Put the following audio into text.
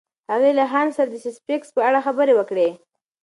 هغې له هانس سره د سپېساېکس په اړه خبرې وکړې.